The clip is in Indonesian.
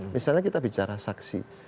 misalnya kita bicara saksi